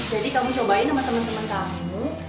jadi kamu cobain sama temen temen kamu